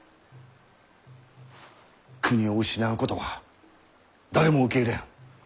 国を失うことは誰も受け入れん。